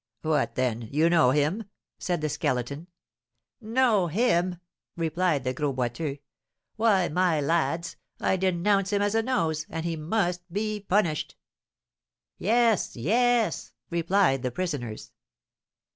"What, then, you know him?" said the Skeleton. "Know him?" replied the Gros Boiteux. "Why, my lads, I denounce him as a nose, and he must be punished!" "Yes, yes!" replied the prisoners.